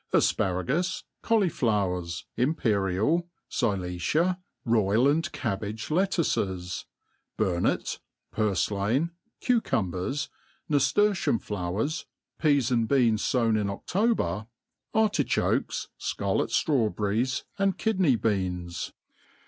ASPARAGUS, cauliflowers, imperial, Silcfia, royal and cabbage lettuce.9, burnet, purflain, cucumbers, naftertium flowers, peas and beans fown in October, artichokes, (parlet ftrawberries, and kidney beans.